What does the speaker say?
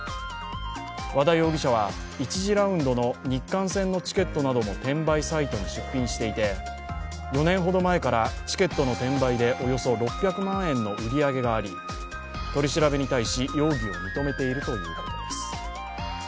和田容疑者は１次ラウンドの日韓戦のチケットなども転売サイトに出品していて４年ほど前からチケットの転売でおよそ６００万円の売り上げがあり取り調べに対し容疑を認めているということです。